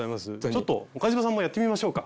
ちょっと岡嶋さんもやってみましょうか。